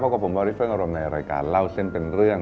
เพราะกับผมบอริฟเฟิร์นอารมณ์ในรายการเล่าเส้นเป็นเรื่อง